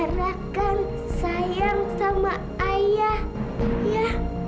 larakan sayang sama ayah ya